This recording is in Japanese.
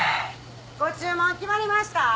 ご注文決まりました？